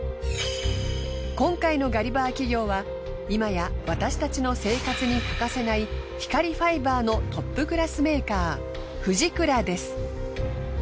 今回のガリバー企業は今や私たちの生活に欠かせない光ファイバーのトップクラスメーカ−フジクラです。